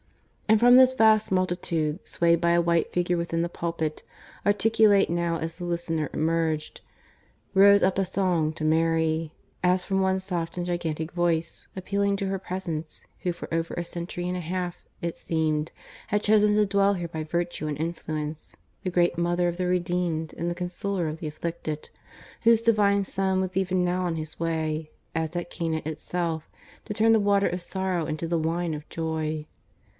And from this vast multitude, swayed by a white figure within the pulpit, articulate now as the listener emerged, rose up a song to Mary, as from one soft and gigantic voice, appealing to Her Presence who for over a century and a half, it seemed, had chosen to dwell here by virtue and influence, the Great Mother of the redeemed and the Consoler of the afflicted, whose Divine Son was even now on His way, as at Cana itself, to turn the water of sorrow into the wine of joy.